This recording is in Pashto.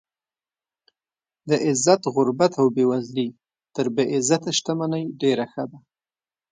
د عزت غربت او بې وزلي تر بې عزته شتمنۍ ډېره ښه ده.